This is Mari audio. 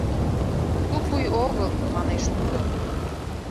— Тупуй огыл, — манеш тудо.